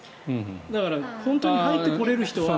だから、本当に入ってこれる人は。